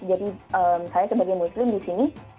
jadi saya sebagai muslim di sini